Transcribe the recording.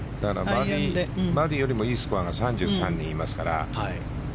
バーディーよりもいいスコアが３３人いますから。